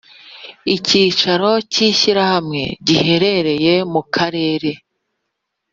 Icyicaro cy ishyirahamwe giherereye mu Karere